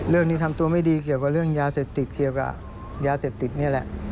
ทำตัวไม่ดีเกี่ยวกับเรื่องยาเสพติดเกี่ยวกับยาเสพติดนี่แหละ